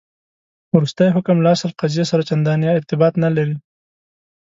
وروستی حکم له اصل قضیې سره چنداني ارتباط نه لري.